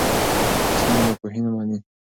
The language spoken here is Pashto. اسلام ناپوهي نه مني.